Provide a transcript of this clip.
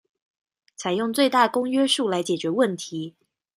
採用最大公約數來解決問題